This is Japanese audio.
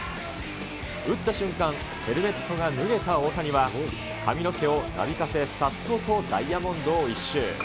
打った瞬間、ヘルメットが脱げた大谷は、髪の毛をなびかせ、さっそうとダイヤモンドを一周。